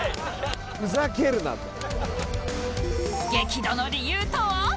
激怒の理由とは？